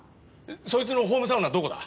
ソイツのホームサウナどこだ？